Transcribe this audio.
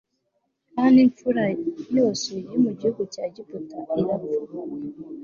kandi imfura e yose yo mu gihugu cya egiputa irapfa